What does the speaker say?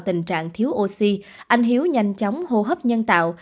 tình trạng thiếu oxy anh hiếu nhanh chóng hô hấp nhân tạo